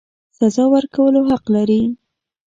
سزا ورکولو حق لري.